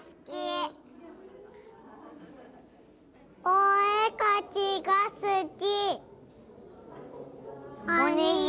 おえかきがすき。